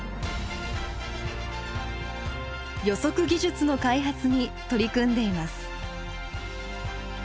予測技術の開発に取り組んでいます。